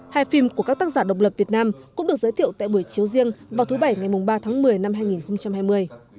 hai phim của các tác giả độc lập việt nam cũng được giới thiệu tại buổi chiếu riêng vào thứ bảy ngày ba tháng một mươi năm hai nghìn hai mươi